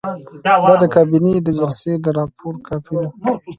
دا د کابینې د جلسې د راپور کاپي ده.